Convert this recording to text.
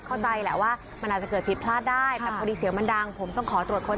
อนาคารแล้วว่ามันอาจจะเกิดพิษพลาดได้แต่ปสดิเฉียวมันดังผมต้องขอตรวจสมัย